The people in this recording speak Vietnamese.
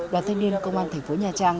đoàn thanh niên công an thành phố nhà trang